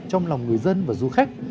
trong lòng người dân và du khách